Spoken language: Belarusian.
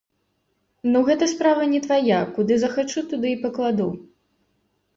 Ну, гэта справа не твая, куды захачу, туды і пакладу.